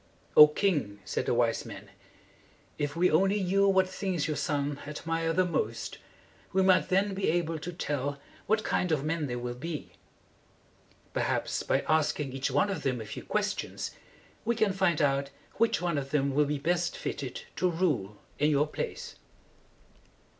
"O king!" said the wise men, "if we only knew what things your sons admire the most, we might then be able to tell what kind of men they will be. Perhaps, by asking each one of them a few ques tions, we can find out which one of them will be best fitted to rule in your place."